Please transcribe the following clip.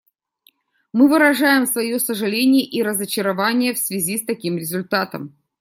Мы выражаем свое сожаление и разочарование в связи с таким результатом.